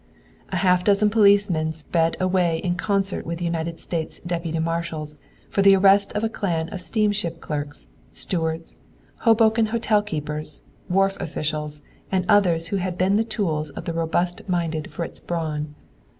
A half dozen policemen sped away to concert with the United States deputy marshals for the arrest of a clan of steamship clerks, stewards, Hoboken hotel keepers, wharf officials, and others who had been the tools of the robust minded Fritz Braun.